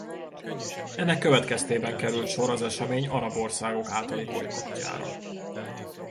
Ennek következtében került sor az esemény arab országok általi bojkottjára.